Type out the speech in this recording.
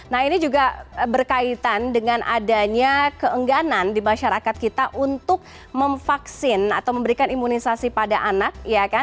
nah ini juga berkaitan dengan adanya keengganan di masyarakat kita untuk memvaksin atau memberikan imunisasi pada anak